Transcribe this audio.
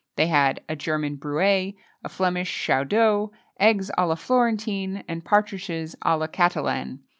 They had a German brouet, a Flemish chaudeau, eggs à la Florentine, and partridges à la Catalane.